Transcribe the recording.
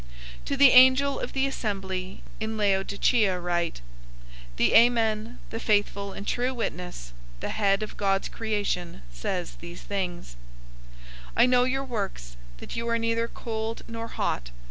003:014 "To the angel of the assembly in Laodicea write: "The Amen, the Faithful and True Witness, the Head of God's creation, says these things: 003:015 "I know your works, that you are neither cold nor hot.